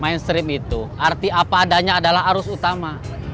mainstream itu arti apa adanya adalah arus utama